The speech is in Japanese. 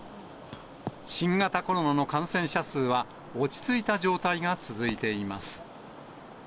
新型コロナの感染者数は、落ち着いた状態が続いています。